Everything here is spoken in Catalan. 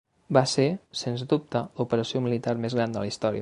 Va ser, sens dubte, l'operació militar més gran de la història.